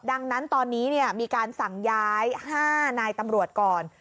ดังนั้นตอนนี้มีการสั่งย้าย๕นายตำรวจก่อน